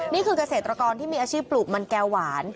นี่คือเกษตรกรที่มีอาชีพปลูกมันแก้วหวาน